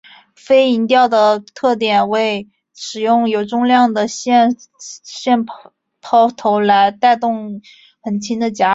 飞蝇钓的特色为使用有重量的线抛投来带动很轻的假饵。